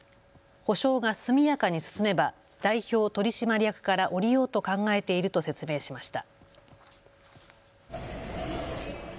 補償が速やかに進めば代表取締役から降りようと考えていると説明しました。